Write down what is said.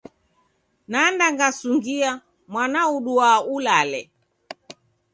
Nanda ngasungia mwana uduaa ulale.